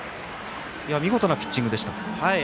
見事なピッチングでしたね。